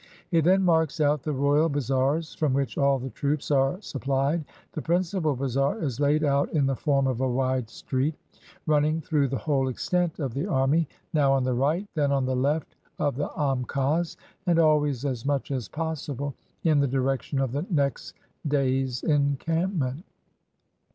He then marks out the royal bazaars, from which all the troops are sup phed. The principal bazaar is laid out in the form of a wide street, running through the whole extent of the 134 ON THE MARCH WITH AURUNGZEBE army, now on the right, then on the left of the am kas, and always as much as possible in the direction of the next day's encampment.